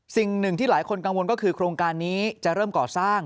สิ่งหนึ่งที่หลายคนกังวลก็คือโครงการนี้จะเริ่มก่อสร้าง